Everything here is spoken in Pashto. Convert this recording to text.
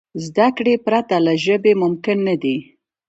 زدهکړې پرته له ژبي ممکن نه دي.